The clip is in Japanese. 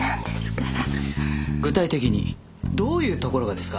具体的にどういうところがですか？